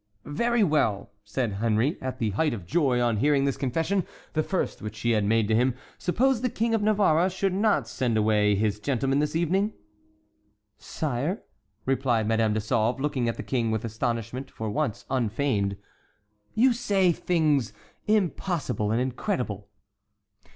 "Very well," said Henry, at the height of joy on hearing this confession, the first which she had made to him, "suppose the King of Navarre should not send away his gentlemen this evening?" "Sire," replied Madame de Sauve, looking at the king with astonishment for once unfeigned, "you say things impossible and incredible."